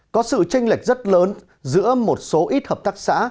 có sự tranh lệch rất lớn giữa một số ít hợp tác xã